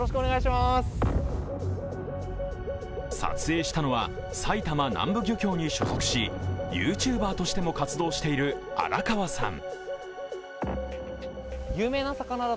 撮影したのは、埼玉南部漁協に所属しＹｏｕＴｕｂｅｒとしても活動しているあらかわさん。